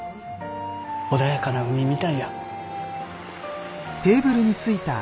穏やかな海みたいや。